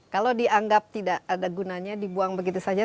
kalau dianggap tidak ada gunanya dibuang begitu saja